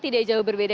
tidak jauh berbeda